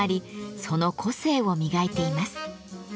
その個性を磨いています。